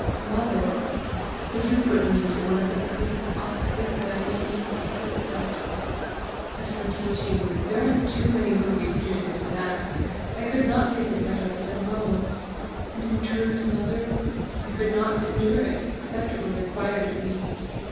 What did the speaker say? "Mother! would you put me into one of the priests' offices that I may eat a piece of bread? As for teaching, there are too many hungry students for that: I could not take the bread out of their mouths! And in truth, mother, I could not endure it except it were required of me.